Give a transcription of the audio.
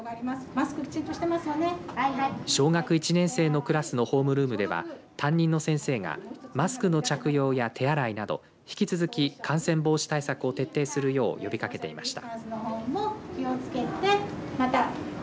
小学１年生のクラスのホームルームでは担任の先生がマスクの着用や手洗いなど、引き続き感染防止対策を徹底するよう呼びかけていました。